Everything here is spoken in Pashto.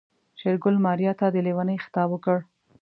شېرګل ماريا ته د ليونۍ خطاب وکړ.